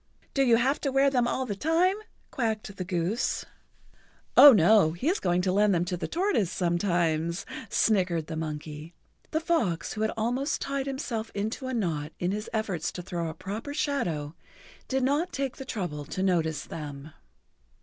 "Do you have to wear them all the time?" quacked the goose. "Oh, no, he is going to lend them to the tortoise sometimes," snickered the monkey. The fox, who had almost tied himself into a knot in his efforts to throw[Pg 86] a proper shadow, did not take the trouble to notice them.